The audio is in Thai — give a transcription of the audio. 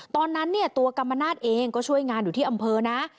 ตอนนั้นตัวกัมปะนาฬเองก็ช่วยงานอยู่ที่อำเภอนะ